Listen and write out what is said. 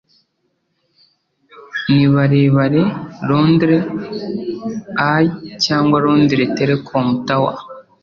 Ni barebare Londres Eye Cyangwa Londres Telecom Tower?